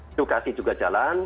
edukasi juga jalan